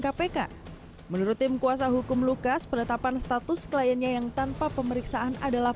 kpk menurut tim kuasa hukum lukas penetapan status kliennya yang tanpa pemeriksaan adalah